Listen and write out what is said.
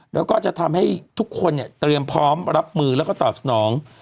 แล้วก็จะทำให้ทุกคนเนี่ยเตรียมพร้อมรับมือแล้วก็ตอบสนอง